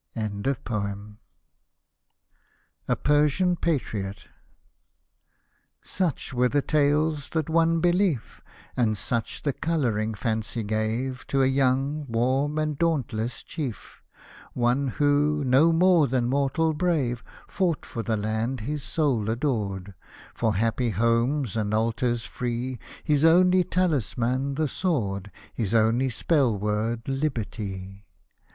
Hosted by Google THE FIRE WORSHIPPERS 139 A PERSIAN PATRIOT Such were the tales, that won beHef, And such the colouring Fancy gave To a young, warm, and dauntless Chief, — One who, no more than mortal brave. Fought for the land his soul adored. For happy homes and altars free, His only taHsman, the sword, His only spell word, Liberty